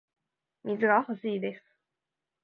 水が欲しいです